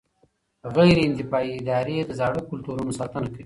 غیر انتفاعي ادارې د زاړه کلتورونو ساتنه کوي.